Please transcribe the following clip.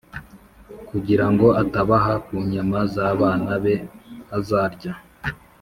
kugira ngo atabaha ku nyama z’abana be azarya,